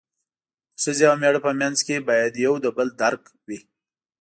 د ښځې او مېړه په منځ کې باید یو د بل درک وي.